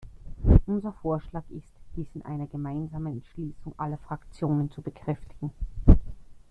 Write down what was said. Unser Vorschlag ist, dies in einer gemeinsamen Entschließung aller Fraktionen zu bekräftigen.